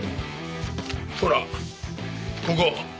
ほらここ。